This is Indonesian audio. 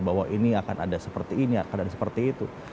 bahwa ini akan ada seperti ini akan ada seperti itu